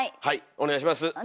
お願いします。